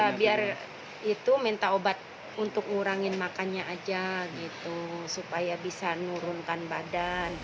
ya biar itu minta obat untuk ngurangin makannya aja gitu supaya bisa nurunkan badan